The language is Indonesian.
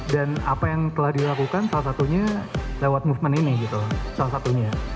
dan apa yang telah dilakukan salah satunya lewat movement ini gitu salah satunya